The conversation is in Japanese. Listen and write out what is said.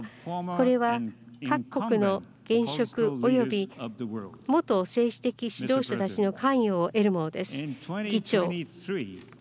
これは各国の軍縮、および元政治的指導者の関与を得るものです。